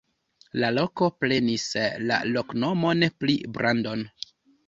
La loko prenis la loknomon pri Brandon.